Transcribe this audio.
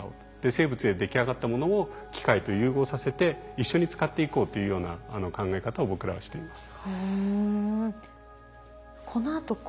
生物ででき上がったものを機械と融合させて一緒に使っていこうというような考え方を僕らはしています。